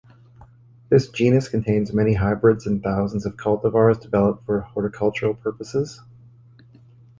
This genus contains many hybrids and thousands of cultivars developed for horticultural purposes.